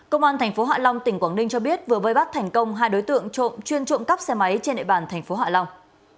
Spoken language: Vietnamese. công an tp hạ long tỉnh quảng ninh cho biết vừa vơi bắt thành công hai đối tượng chuyên trộm cắp xe máy trên địa bàn tp hạ long